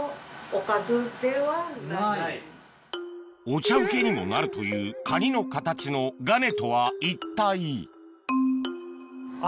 お茶うけにもなるというカニの形のがねとは一体？